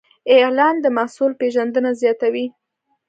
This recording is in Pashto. اعلان د محصول پیژندنه زیاتوي.